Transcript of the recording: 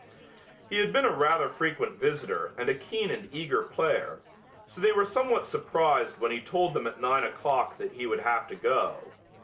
He had been a rather frequent visitor and a keen and eager player, so they were somewhat surprised when he told them at nine o'clock that he would have to go.